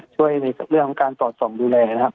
ในเรื่องของการสอดส่องดูแลนะครับ